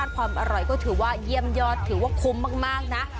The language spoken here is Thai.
ความอร่อยก็ถือว่าเยี่ยมยอดถือว่าคุ้มมากนะ